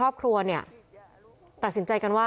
เพราะถ้าไม่ฉีดก็ไม่ได้